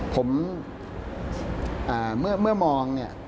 ผมเมื่อมองเนี่ย